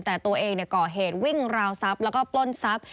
แต่ตัวเองก่อเหตุวิ่งราวซัปแล้วก็ปล้นซัป